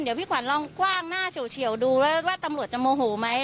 เดี๋ยวพี่ขวัญลองกว้างหน้าเฉียวดูแล้วว่าตำรวจจะโมโหไหม